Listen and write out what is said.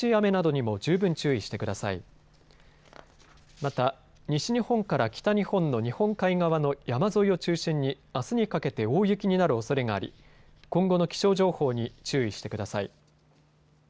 また、西日本から北日本の日本海側の山沿いを中心にあすにかけて大雪になるおそれがあり今後の気象情報に注意してください。